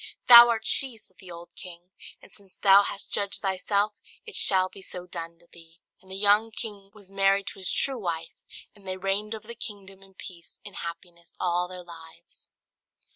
"Thou art she!" said the old king; "and since thou hast judged thyself, it shall be so done to thee." And the young king was married to his true wife, and they reigned over the kingdom in peace and happiness all their lives.